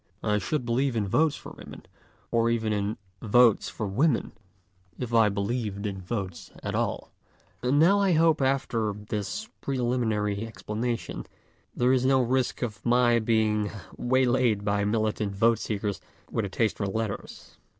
I should believe in votes for women, or even in Votes for Women, if I believed in votes at all. And now I hope after this preliminary explanation there is no risk of my being waylayed by militant vote seekers with a taste for letters.